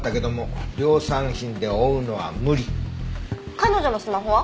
彼女のスマホは？